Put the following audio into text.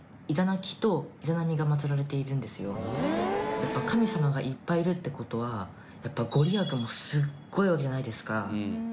やっぱ神様がいっぱいいるって事はご利益もすごいわけじゃないですか。